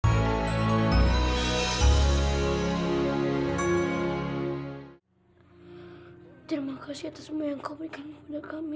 hai hai hai hai hai hai hai terima kasih atas semua yang kau berikan kepada kami